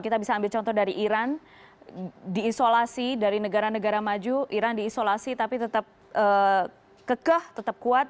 kita bisa ambil contoh dari iran diisolasi dari negara negara maju iran diisolasi tapi tetap kekeh tetap kuat